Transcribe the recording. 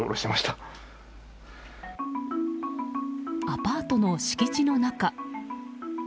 アパートの敷地の中。